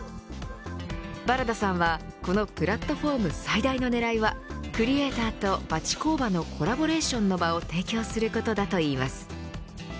茨田さんはこのプラットフォームの最大の狙いはクリエイターと町工場のコラボレーションの場を提供することだといいます。